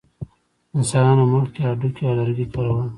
انسانانو مخکې هډوکي او لرګي کارول.